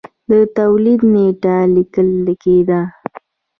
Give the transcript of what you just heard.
د تولید نېټه لیکل کېده.